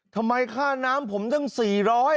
ทำไมค่าน้ำผมตั้ง๔๐๐บาท